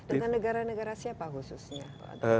dengan negara negara siapa khususnya